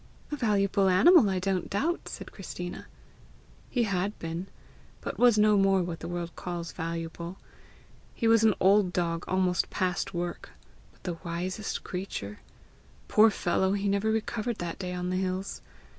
"A valuable animal, I don't doubt," said Christina. "He had been, but was no more what the world calls valuable. He was an old dog almost past work but the wisest creature! Poor fellow, he never recovered that day on the hills!